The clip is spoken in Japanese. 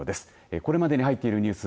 これまでに入っているニュース